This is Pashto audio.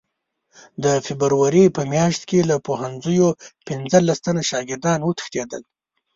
د فبروري په میاشت کې له پوهنځیو پنځلس تنه شاګردان وتښتېدل.